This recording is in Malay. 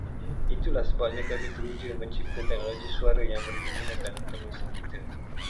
Itulah sebabnya kami teruja mencipta teknologi suara yang boleh digunakan untuk mesin kita